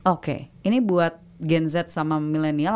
oke ini buat gen z sama milenial